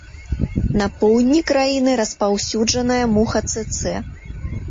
На поўдні краіны распаўсюджаная муха цэцэ.